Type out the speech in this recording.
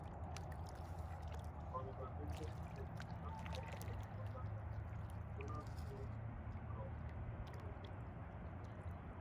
On the latest Take That album "Wonderland" Donald sings lead vocals on "Every Revolution".